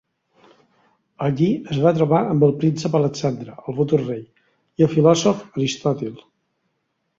Allí es va trobar amb el príncep Alexandre, el futur rei, i el filòsof Aristòtil.